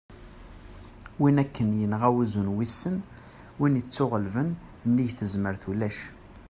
win akken yenɣa "wuzzu n wissen", win ittuɣellben : nnig tezmert d ulac